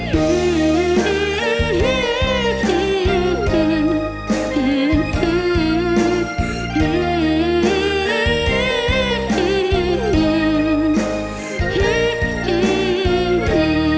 ต้องห่วง